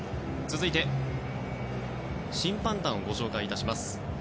続いて、審判団をご紹介いたします。